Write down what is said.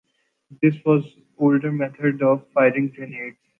This was older method of firing grenades.